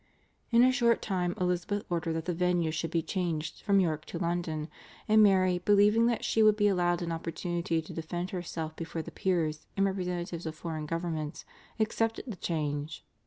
In a short time Elizabeth ordered that the venue should be changed from York to London, and Mary, believing that she would be allowed an opportunity to defend herself before the peers and representatives of foreign governments, accepted the change.